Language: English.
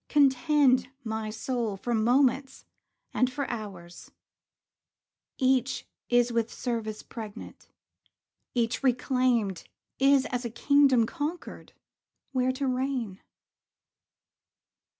Contend, my soul, for moments and for hours; Each is with service pregnant; each reclaimed Is as a kingdom conquered, where to reign.